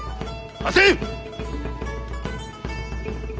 貸せ！